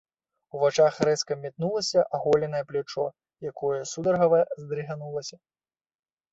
У вачах рэзка мятнулася аголенае плячо, якое сударгава здрыганулася.